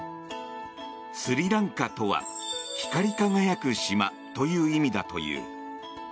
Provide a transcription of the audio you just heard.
スリランカとは光り輝く島という意味だという。